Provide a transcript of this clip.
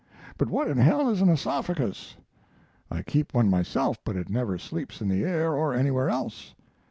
"But what in hell is an oesophagus? I keep one myself, but it never sleeps in the air or anywhere else.